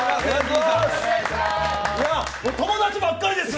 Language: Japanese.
友達ばっかりです。